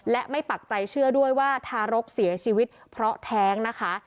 และไม่ปักใจเชื่อด้วยว่าทารกเสียชีวิตเพราะแท้งนะคะ